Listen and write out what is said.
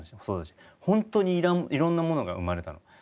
ホントにいろんなものが生まれたの。